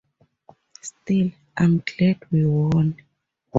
Still, I'm glad we won.